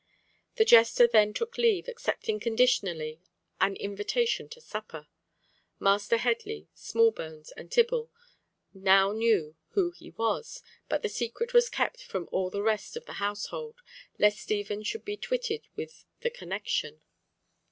The jester then took leave, accepting conditionally an invitation to supper. Master Headley, Smallbones, and Tibble now knew who he was, but the secret was kept from all the rest of the household, lest Stephen should be twitted with the connection.